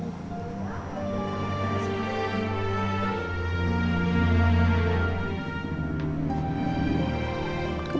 kemudian kang salim meninggal